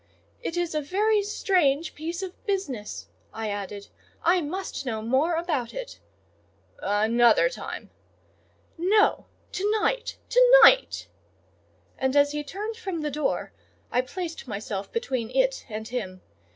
"It is a very strange piece of business," I added; "I must know more about it." "Another time." "No; to night!—to night!" and as he turned from the door, I placed myself between it and him.